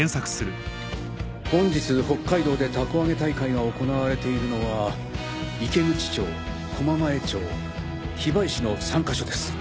本日北海道で凧揚げ大会が行われているのは池口町狛前町火唄市の３か所です。